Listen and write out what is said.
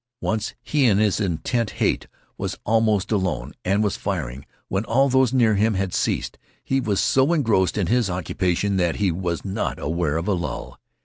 Once he, in his intent hate, was almost alone, and was firing, when all those near him had ceased. He was so engrossed in his occupation that he was not aware of a lull.